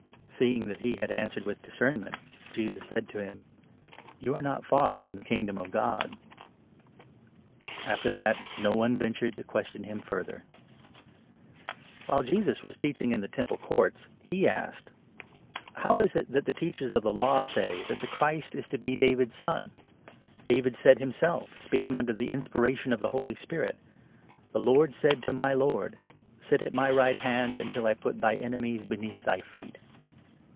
'" Seeing that he had answered with discernment, Jesus said to 34 him :" You are not far from the Kingdom of God." After that no one ventured to question him further. Christ While Jesus was teaching in the Temple 35 the son of Courts, he asked : David. « How is it that the Teachers of the Law say that the Christ is to be David's son ? David said himself, 36 speaking under the inspiration of the Holy Spirit —' The Lord said to my lord : "Sit at my right hand, Until I put thy enemies beneath thy feet.'"